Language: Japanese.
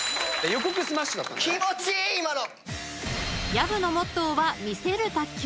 ［薮のモットーは魅せる卓球］